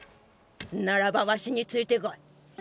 ならばワシについてこい。